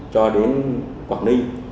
cho đến quảng ninh